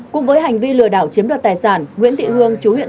cùng với hành vi lừa đảo chiếm đoạt tài sản nguyễn thị hương chú huyện